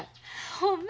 ほんま？